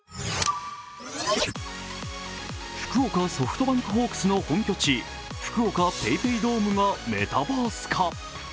福岡ソフトバンクホークスの本拠地、福岡ＰａｙＰａｙドームがメタバース化。